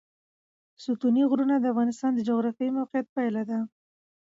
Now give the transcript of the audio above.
ستوني غرونه د افغانستان د جغرافیایي موقیعت پایله ده.